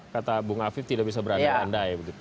kata bung afif tidak bisa berandai andai